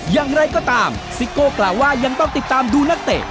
อย่างไรก็ตามซิโก้กล่าวว่ายังต้องติดตามดูนักเตะ